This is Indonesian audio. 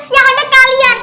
yang ada kalian